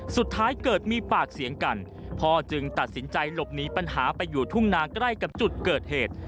สุดท้ายเกิดมีปากเสียงกันพ่อจึงตัดสินใจหลบหนีปัญหาไปอยู่ทุ่งนาใกล้กับจุดเกิดเหตุ